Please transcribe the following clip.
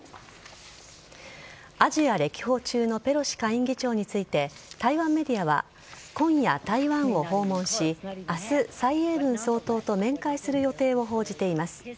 アジア歴訪中のペロシ下院議長について、台湾メディアは、今夜、台湾を訪問し、あす、蔡英文総統と面会する予定を報じています。